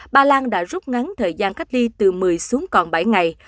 ba lan đã rút ngắn thời gian cách ly từ một mươi xuống còn bảy ngày